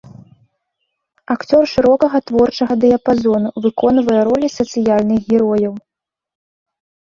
Акцёр шырокага творчага дыяпазону, выконвае ролі сацыяльных герояў.